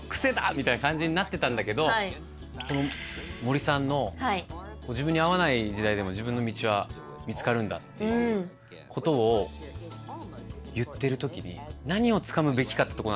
みたいな感じになってたんだけど森さんの自分に合わない時代でも自分の道は見つかるんだっていうことを言ってる時に何をつかむべきかってとこなんだよね。